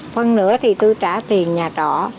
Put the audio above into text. phân nửa thì tôi trả tiền nhà trỏ